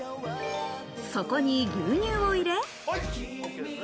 そこに牛乳を入れ。